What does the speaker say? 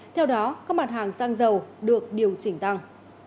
theo đó các mặt hàng xăng dầu được điều chỉnh tăng